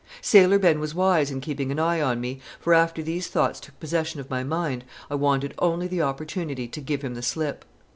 Sailor Ben was wise in keeping an eye on me, for after these thoughts took possession of my mind, I wanted only the opportunity to give him the slip.